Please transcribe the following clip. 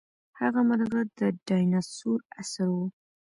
هغه مرغه د ډاینسور عصر وو.